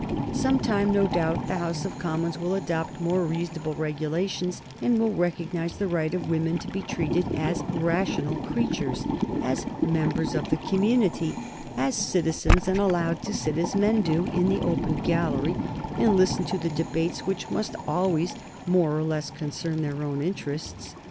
Some time, no doubt, the House of Commons will adopt more reasonable regulations, and will recognize the right of women to be treated as rational creatures, as members of the community, as citizens, and allowed to sit, as men do, in an open gallery, and listen to the debates which must always more or less concern their own interests.